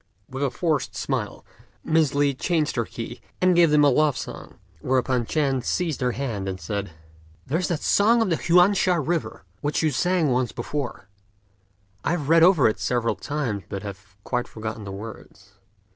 With a forced smile, Miss Li changed her key, and gave them a love song; whereupon Ch'ên seized her hand, and said, "There's that song of the Huan sha river, which you sang once before; I have read it over several times, but have quite forgotten the words."